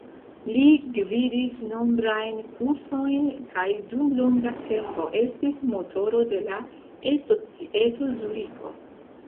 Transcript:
Li gvidis nombrajn kursojn kaj dum longa tempo estis motoro de la E-Societo Zuriko.